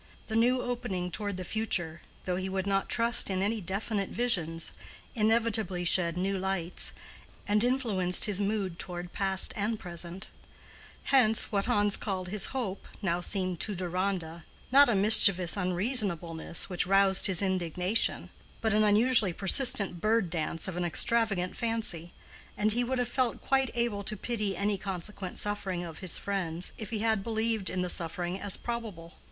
The new opening toward the future, though he would not trust in any definite visions, inevitably shed new lights, and influenced his mood toward past and present; hence, what Hans called his hope now seemed to Deronda, not a mischievous unreasonableness which roused his indignation, but an unusually persistent bird dance of an extravagant fancy, and he would have felt quite able to pity any consequent suffering of his friend's, if he had believed in the suffering as probable.